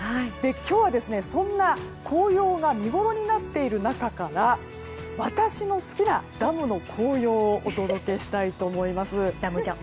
今日はそんな紅葉が見ごろになっている中から私の好きなダムの紅葉をお届けしたいと思います。